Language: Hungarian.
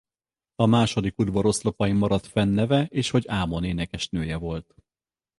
A második udvar oszlopain maradt fenn neve és hogy Ámon énekesnője volt.